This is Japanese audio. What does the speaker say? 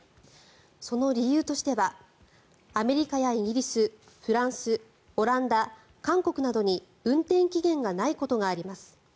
その理由としてはアメリカやイギリスフランス、オランダ、韓国などに運転期限がないことがあります。